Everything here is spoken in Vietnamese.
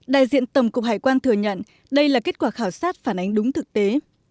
đại diện tổng cục hải quan thừa nhận đây là kết quả khảo sát phản ánh đúng thực tế